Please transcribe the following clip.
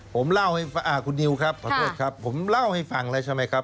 ผมเล่าให้คุณนิวครับขอโทษครับผมเล่าให้ฟังแล้วใช่ไหมครับ